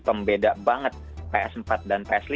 pembeda banget ps empat dan ps lima